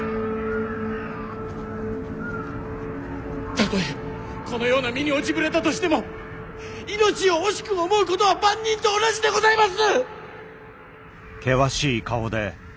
たとえこのような身に落ちぶれたとしても命を惜しく思うことは万人と同じでございます！